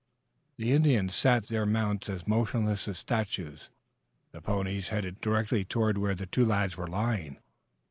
The Indians sat their mounts as motionless as statues, the ponies headed directly toward where the two lads were lying.